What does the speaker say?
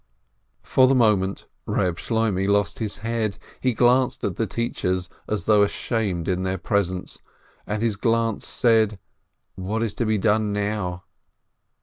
For the moment Keb Shloimeh lost his head. He glanced at the teachers as though ashamed in their presence, and his glance said, "What is to be done now?"